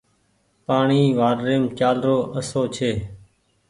پآڻيٚ واٽريم چآلرو آسو ڇي